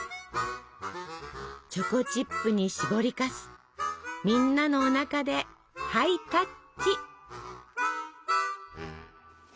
チョコチップにしぼりかすみんなのおなかでハイタッチ！